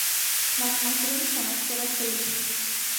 Magma Strings son las cuerdas que elige.